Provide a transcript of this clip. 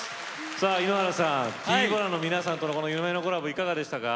井ノ原さんＴ−ＢＯＬＡＮの皆さんとの夢のコラボいかがでしたか？